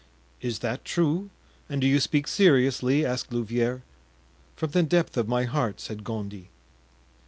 "Is that true, and do you speak seriously?" asked Louvieres. "From the depth of my heart," said Gondy.